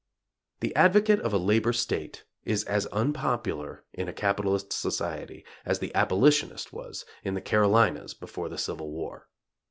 The advocate of a labor state is as unpopular in a capitalist society as the abolitionist was in the Carolinas before the Civil War.